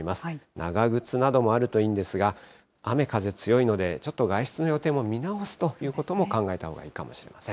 長靴などもあるといいんですが、雨風強いので、ちょっと外出の予定も見直すということも考えたほうがいいかもしれません。